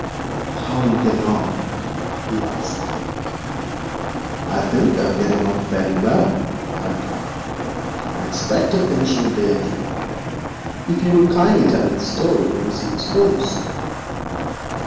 'How are you getting on?' he asked. 'I think I'm getting on fairly well,' I replied, 'and expect to finish in a day or two, if you will kindly tell me the story of the silver spoons.'